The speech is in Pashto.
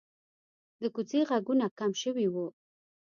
د کوڅې غږونه کم شوي وو.